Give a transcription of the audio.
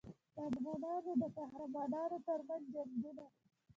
د افغانانو د قهرمانانو ترمنځ جنګونه.